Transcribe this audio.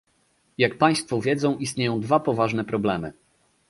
Jak państwo wiedzą istnieją dwa poważne problemy